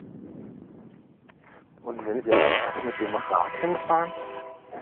Und wenn wir einfach mit dem Rad hinfahren?